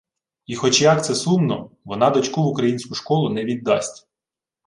І, хоч як це сумно, вона дочку в українську школу не віддасть